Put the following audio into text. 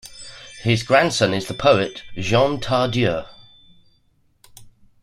His grandson is the poet Jean Tardieu.